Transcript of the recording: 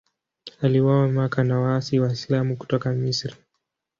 Aliuawa Makka na waasi Waislamu kutoka Misri.